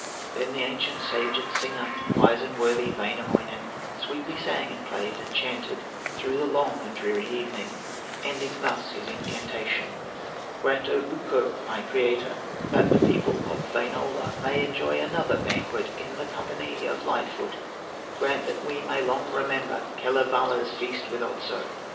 Then the ancient sage and singer, Wise and worthy Wainamoinen, Sweetly sang, and played, and chanted, Through the long and dreary evening, Ending thus his incantation: "Grant, O Ukko, my Creator, That the people of Wainola May enjoy another banquet In the company of Light foot; Grant that we may long remember Kalevala's feast with Otso!